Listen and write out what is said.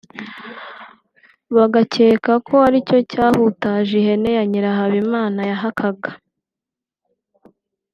bagakeka ko ari icyo cyahutaje ihene ya Nyirahabimana yahakaga